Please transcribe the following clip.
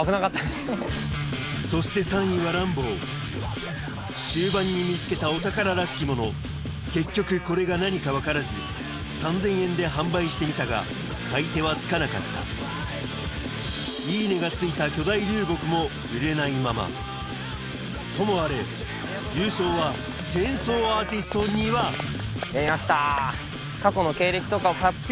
そして３位はランボー終盤に見つけたお宝らしきもの結局これが何か分からず３０００円で販売してみたが買い手はつかなかった「いいね！」が付いた巨大流木も売れないままともあれ優勝はチェーンソーアーティスト丹羽やりました！